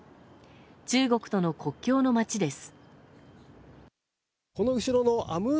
中国との国境の町です。